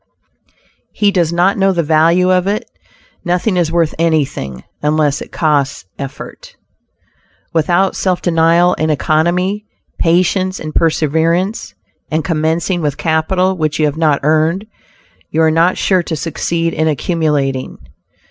He does not know the value of it; nothing is worth anything, unless it costs effort. Without self denial and economy; patience and perseverance, and commencing with capital which you have not earned, you are not sure to succeed in accumulating.